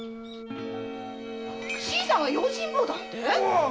新さんが用心棒だって？